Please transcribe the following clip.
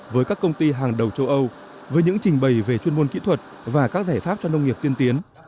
với các công ty hàng đầu châu âu với những trình bày về chuyên môn kỹ thuật và các giải pháp cho nông nghiệp tiên tiến